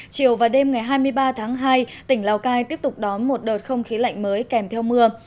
chiều và đêm ngày hai mươi ba tháng hai tỉnh lào cai tiếp tục đón một đợt không khí lạnh mới kèm theo mưa